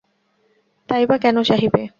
তাই বা কেন চাহিবে?